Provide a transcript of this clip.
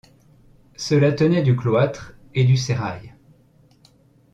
Cela tenait du cloître et du sérail.